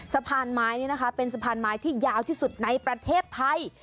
สะพานไม้นี่นะคะเป็นสะพานไม้ที่ยาวที่สุดในประเทศไทย